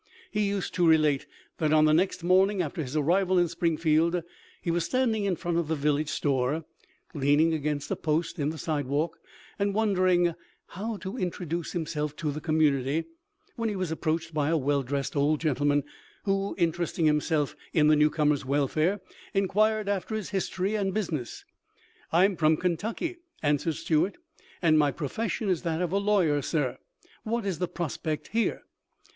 He used to relate that on the next morning after his arrival in Springfield he was standing in front of the village store, leaning against a post in the side walk and wondering how to introduce himself to the community, when he was approached by a well dressed old gentleman, who, interesting himself in the newcomer's welfare, enquired after his history and business. "I'm from Kentucky," answered Stuart, "and my profession is that of a lawyer, sir. What is the prospect here?"